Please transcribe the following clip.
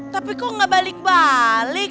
tapi kok nggak balik balik